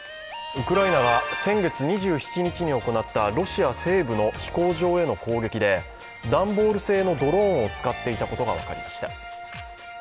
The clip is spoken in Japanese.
ウクライナが先月２７日に行ったロシア西部の飛行場への攻撃で段ボール製のドローンを使っていたことが分かりました。